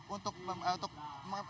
untuk memulai pergerakan